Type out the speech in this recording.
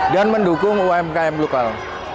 dan mendukung umkm lokal